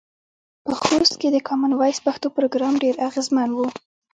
په خوست کې د کامن وایس پښتو پروګرام ډیر اغیزمن و.